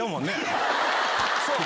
そう！